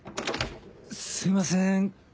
すいません